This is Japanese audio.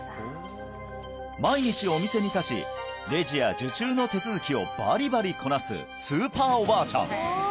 毎日お店に立ちレジや受注の手続きをバリバリこなすスーパーおばあちゃん